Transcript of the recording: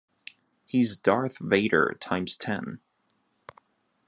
He's Darth Vader times ten.